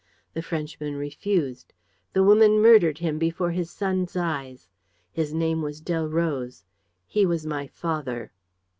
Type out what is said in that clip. The Frenchman refused. The woman murdered him before his son's eyes. His name was Delroze. He was my father."